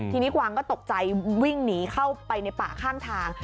ทีนี้กวางก็ตกใจวิ่งหนีเข้าไปในป่าข้างทาง